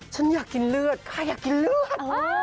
ฉันอยากกินเลือดใครอยากกินเลือด